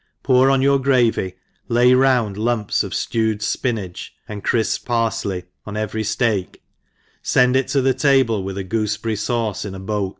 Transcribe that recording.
pour on your gravy, lay round lumps' of ftewed fpinage, tmd crifped par fley oh eVefy Aeak, fend it to the table with godfebeffy (attCe in a boat.